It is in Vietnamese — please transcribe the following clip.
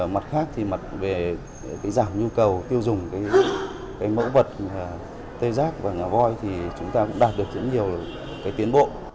mặt khác thì mặt về giảm nhu cầu tiêu dùng mẫu vật tê giác và ngả voi thì chúng ta cũng đạt được rất nhiều tiến bộ